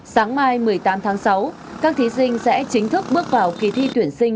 sáng mai một mươi tám tháng sáu các thí sinh sẽ chính thức bước vào kỳ thi tuyển sinh